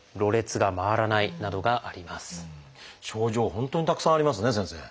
本当にたくさんありますね先生。